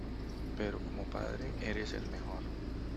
pero como padre eres el mejor.